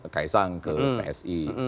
kaisang ke psi